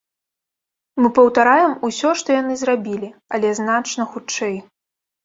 Мы паўтараем усё, што яны зрабілі, але значна хутчэй.